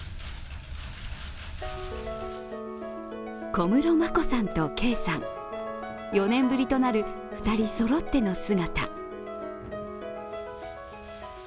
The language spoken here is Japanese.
小室眞子さんと圭さん、４年ぶりとなる２人そろっての姿。